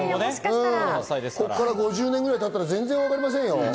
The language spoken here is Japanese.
ここから５０年くらい経ったら全然、分かりませんよ。